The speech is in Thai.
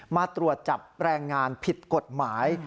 มาตรวจจับแรงงานผิดกฎหมาย